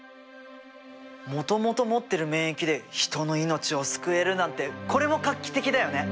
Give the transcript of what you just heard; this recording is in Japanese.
もともと持ってる免疫で人の命を救えるなんてこれも画期的だよね。